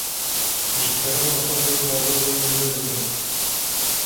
Ji kerema xwe vê kaxizê îmze bikin.